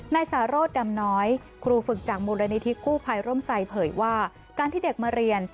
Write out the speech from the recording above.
นายสารสดำน้อยครูฝึกจากมูลนิธิกู้ภัยร่มไซดเผยว่าการที่เด็กมาเรียน